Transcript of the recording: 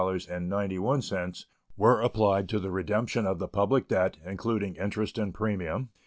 37, of which $3,895,232.39 were applied to the redemption of the public debt, including interest and premium.